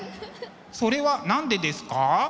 それは何でですか？